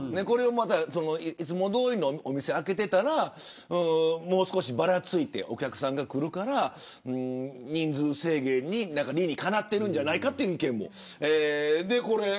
これをいつもどおりお店を開けてたらもう少しばらついてお客さんが来るから人数制限の理にかなっているんじゃないかという意見も。